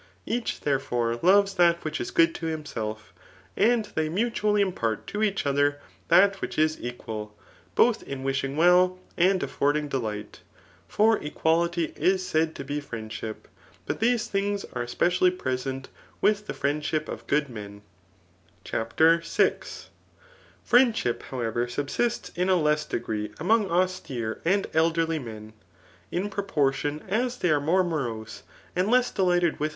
Each, therefore, loves that which is good to himself, and they mutually impart to each other that which is equal, both in wishing well and affording delight ; for equality is said to be friendship. But these things are especially present with the friendship of good men. Digitized by Google 300 TH£ KiCOBf ACHEAN jlOQK VII^ CHAPTER VI, Friendship, however, subsists in a less degree among austere and elderly men, in proportion as they are more morose, and less deHghted with.